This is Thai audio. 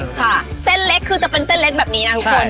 ค่ะเส้นเล็กคือจะเป็นเส้นเล็กแบบนี้นะทุกคน